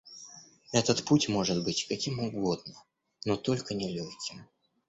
Этот путь может быть каким угодно, но только не легким.